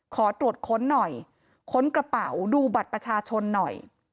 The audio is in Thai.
ขอตรวจค้นหน่อยค้นกระเป๋าดูบัตรประชาชนหน่อย